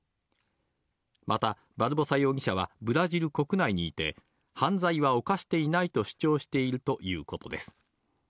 また、バルボサ容疑者はブラジル国内にいて、犯罪は犯していないと主張しているということです。